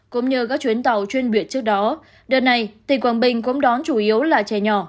cũng như các chuyến tàu chuyên biệt trước đó đợt này tỉnh quảng bình cũng đón chủ yếu là trẻ nhỏ